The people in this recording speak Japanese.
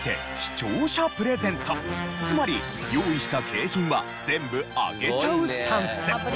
つまり用意した景品は全部あげちゃうスタンス。